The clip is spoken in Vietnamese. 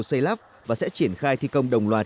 xây lắp và sẽ triển khai thi công đồng loạt